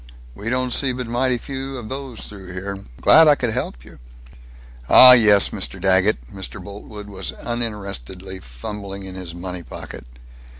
We don't see but mighty few of those through here. Glad I could help you." "Ah yes, Mr. Daggett." Mr. Boltwood was uninterestedly fumbling in his money pocket.